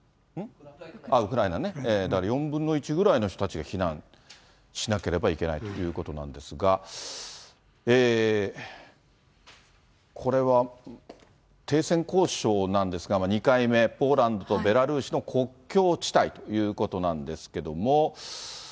ウクライナね、４分の１ぐらいの人たちが避難しなければいけないということなんですが、これは停戦交渉なんですが、２回目、ポーランドとベラルーシの国境地帯ということなんですけども。